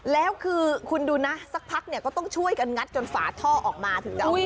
แล้วคือคุณดูนะสักพักเนี่ยก็ต้องช่วยกันงัดจนฝาท่อออกมาถึงจะเอา